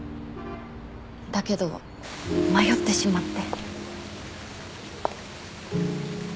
だけど迷ってしまって。